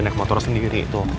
udah naik motor sendiri tuh